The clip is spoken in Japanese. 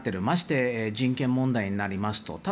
まして人権問題になりますと。